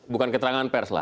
bukan keterangan pers lah